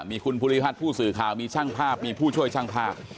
มีคุณภูริพัฒน์ผู้สื่อข่าวมีช่างภาพมีผู้ช่วยช่างภาพ